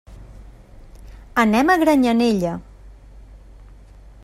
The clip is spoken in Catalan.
Anem a Granyanella.